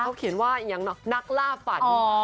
เขาเขียนว่านักลาฝัน